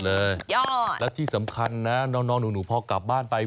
แล้วที่สำคัญนะน้องหนูพอกลับบ้านไป